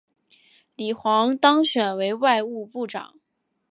李璜当选为外务部长。